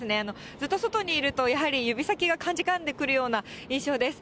ずっと外にいるとやはり指先がかじかんでくるような印象です。